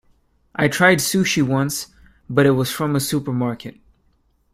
I tried sushi once, but it was from a supermarket.